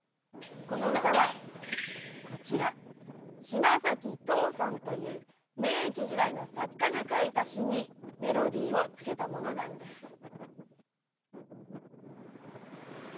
この歌はこちら島崎藤村という明治時代の作家が書いた詩にメロディーをつけたものなんです。